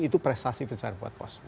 itu prestasi besar buat pos